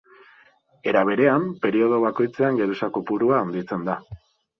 Era berean periodo bakoitzean geruza kopurua handitzen da.